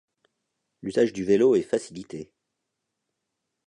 L’usage du vélo est facilité.